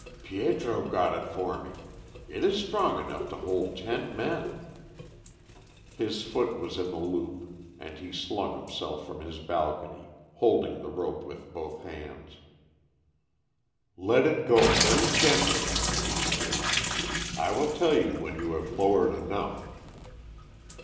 "Pietro got it for me. It is strong enough to hold ten men." His foot was in the loop, and he slung himself from his balcony, holding the rope with both hands. "Let it go very gently," he said. "I will tell you when you have lowered enough."